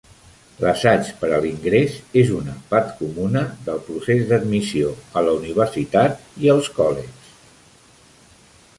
L'assaig per a l'ingrés és una part comuna del procés d'admissió a la universitat i els colleges.